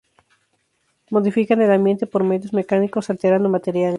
Modifican el ambiente por medios mecánicos alterando materiales.